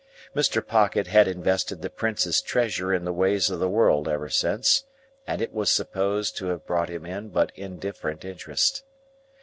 Mr. Pocket had invested the Prince's treasure in the ways of the world ever since, and it was supposed to have brought him in but indifferent interest.